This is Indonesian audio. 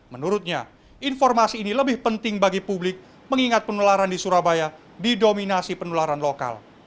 menurutnya informasi ini lebih penting bagi publik mengingat penularan di surabaya didominasi penularan lokal